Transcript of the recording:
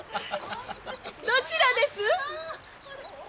どちらです？